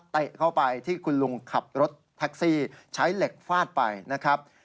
เตะเข้าไปที่คุณลุงขับรถแท็กซี่ใช้เหล็กฟาดไปนะครับ